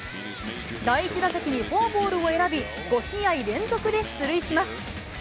第１打席にフォアボールを選び、５試合連続で出塁します。